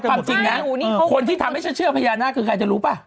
ความจริงนะคนที่ทำให้ฉันเชื่อพญานาคคือใครจะรู้ป่ะ